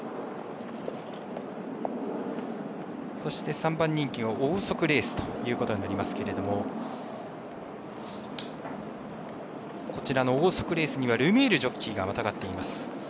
３番人気のオーソクレースということになりますけどもオーソクレースにはルメールジョッキーがまたがっています。